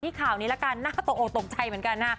ที่ข่าวนี้ละกันหน้าตัวโอกตกใจเหมือนกันค่ะ